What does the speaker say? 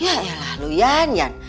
yaelah lu iyan